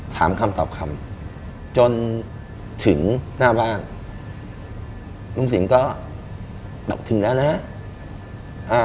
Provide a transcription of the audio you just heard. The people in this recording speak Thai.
คำตอบคำจนถึงหน้าบ้านลุงสิงห์ก็บอกถึงแล้วนะอ่า